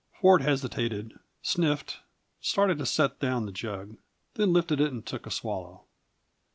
Ford hesitated, sniffed, started to set down the jug, then lifted it and took a swallow.